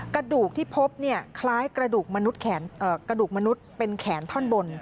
กระดูกที่พบคล้ายกระดูกมนุษย์เป็นแขนท่อนบน